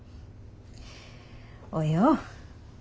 およ。